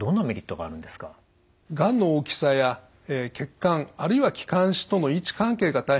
がんの大きさや血管あるいは気管支との位置関係が大変よく分かります。